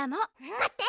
まって！